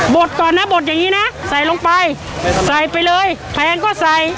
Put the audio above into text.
ดก่อนนะบดอย่างนี้นะใส่ลงไปใส่ไปเลยแพงก็ใส่